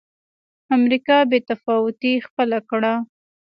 امریکا بې تفاوتي خپله کړه.